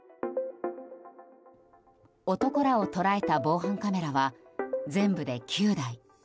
男らを捉えた防犯カメラは全部で９台。